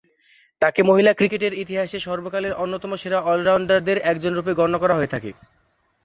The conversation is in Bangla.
তাকে মহিলা ক্রিকেটের ইতিহাসে সর্বকালের অন্যতম সেরা অল-রাউন্ডারদের একজনরূপে গণ্য করা হয়ে থাকে।